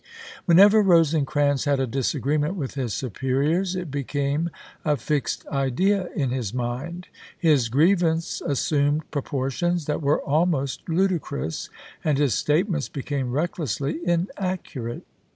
Whenever Rosecrans had a disagreement with his superiors, it became a fixed idea in his mind. His grievance assumed proportions that were almost ludicrous, and his statements became recklessly inaccurate.